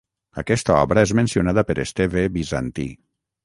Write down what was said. Aquesta obra és mencionada per Esteve Bizantí.